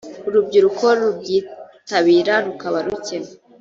urubyiruko rubyitabira rukaba ruke